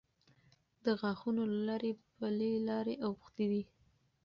د غاښو له لارې پلې لارې اوښتې دي.